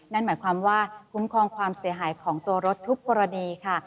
นั่นหมายความว่าคุ้มครองความเสียหายของตัวรถทุกกรณีค่ะ